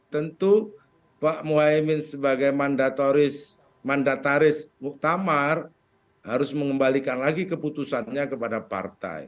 tentu pak muhaymin sebagai mandataris muktamar harus mengembalikan lagi keputusannya kepada partai